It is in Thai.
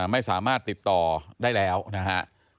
ไม่สามารถติดต่อได้แล้วนะฮะ